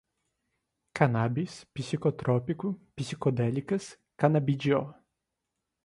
cannabis, psicotrópico, psicodélicas, canabidiol